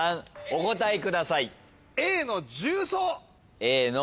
お答えください。